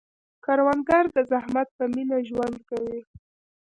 کروندګر د زحمت په مینه ژوند کوي